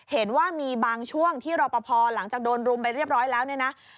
เห็นว่ามีบางช่วงที่รอปภหลังจากโดนรุมไปเรียบร้อยแล้วเนี่ยนะ